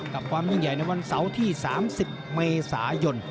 กับความยิ่งใหญ่ในวันเสาร์ที่๓๐เมษายน